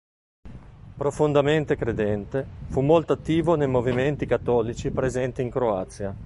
Profondamente credente, fu molto attivo nei movimenti cattolici presenti in Croazia.